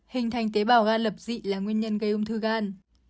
hình thành tế bào gan lập dị là nguyên nhân gây ung thư gan